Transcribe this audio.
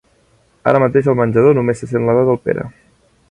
Ara mateix al menjador només se sent la veu del Pere.